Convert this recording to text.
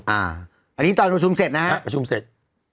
อันนี้ตอนประชุมเสร็จนะฮะประชุมเสร็จ